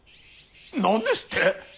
何ですって！